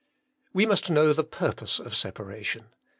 We must know the purpose of separation.